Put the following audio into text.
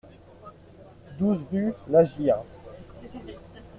douze rue Lageyre